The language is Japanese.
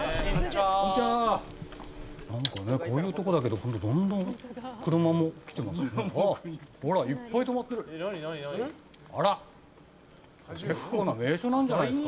こういうところだけどどんどん車も来てますね。